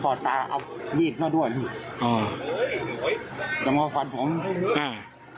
พ่อตาเอาวีดมาด้วยอ๋อจะมาฟันผมอ่า